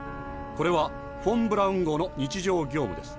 これはフォン・ブラウン号の日常業務です。